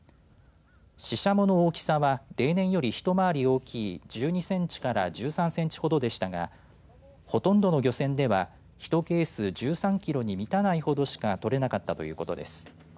シシャモの大きさは例年より一回り大きい１２センチから１３センチほどでしたがほとんどの漁船では１ケース１３キロに満たないほどしか取れなかったということです。